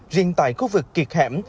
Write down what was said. riêng tại khu vực kiệt hẻm